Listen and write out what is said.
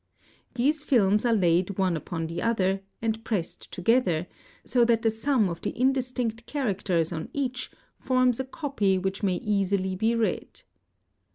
'These films are laid one upon the other and pressed together so that the sum of the indistinct characters on each forms a copy which may easily be read.